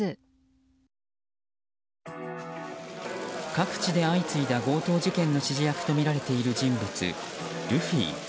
各地で相次いだ強盗事件の指示役とみられている人物ルフィ。